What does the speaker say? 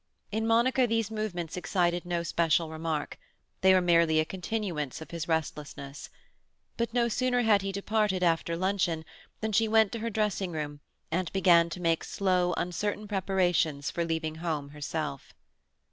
In Monica these movements excited no special remark; they were merely a continuance of his restlessness. But no sooner had he departed, after luncheon, than she went to her dressing room, and began to make slow, uncertain preparations for leaving home herself.